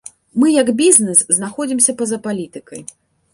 Мы, як бізнес, знаходзімся па-за палітыкай.